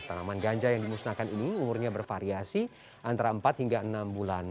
tanaman ganja yang dimusnahkan ini umurnya bervariasi antara empat hingga enam bulan